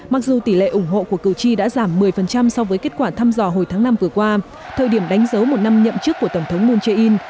mặc dù tỷ lệ ủng hộ của cử tri đã giảm một mươi so với kết quả thăm dò hồi tháng năm vừa qua thời điểm đánh dấu một năm nhậm chức của tổng thống moon jae in